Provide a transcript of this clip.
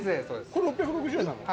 これ６６０円なの？